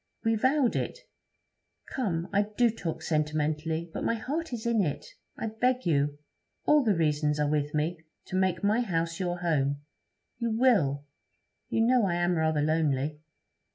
We vowed it. Come, I do talk sentimentally, but my heart is in it. I beg you all the reasons are with me to make my house your home. You will. You know I am rather lonely.'